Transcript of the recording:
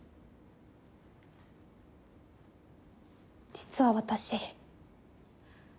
実は私。